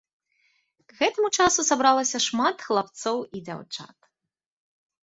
К гэтаму часу сабралася шмат хлапцоў і дзяўчат.